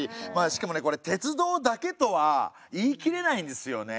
しかもねこれ鉄道だけとは言い切れないんですよね。